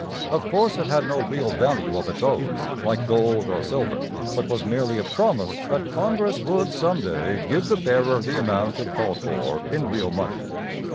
Of course it had no real value of its own, like gold or silver, but was merely a promise that Congress would some day give the bearer the amount it called for in real money.